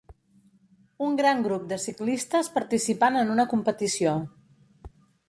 Un gran grup de ciclistes participant en una competició.